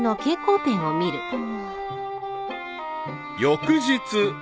［翌日］